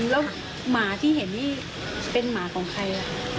แล้วหมาที่เห็นนี่เป็นหมาของใคร